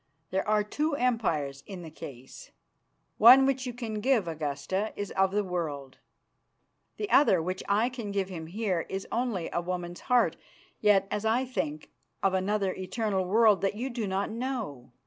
There are two empires in the case. One, which you can give, Augusta, is of the world; the other, which I can give him here, is only a woman's heart, yet, as I think, of another eternal world that you do not know.